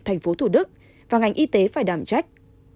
thành phố thủ đức và ngành y tế phải đảm trách